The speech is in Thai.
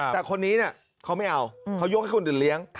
แต่คนนี้เขาไม่เอาเขายกให้คนอื่นเลี้ยง